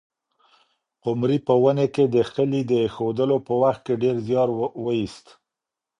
قمرۍ په ونې کې د خلي د اېښودلو په وخت کې ډېر زیار وایست.